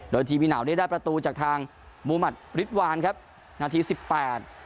โดยทีวีได้ประตูจากทางมุมัติฤทธวานครับนาทีสิบแปด